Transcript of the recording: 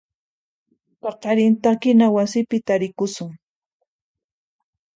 Paqarin takina wasipi tarikusun.